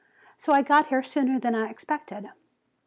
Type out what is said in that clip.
So I got here sooner than I expected."